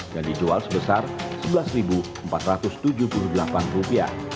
dan dijual sebesar rp sebelas empat ratus tujuh puluh delapan